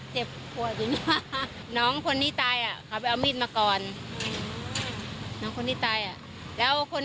เจ็บหัวน้องคนที่ตายอ่ะเขาไปเอามีดมาก่อนคนที่ตายแล้วคน